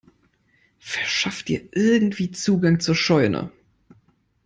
Verschaff dir irgendwie Zugang zur Scheune!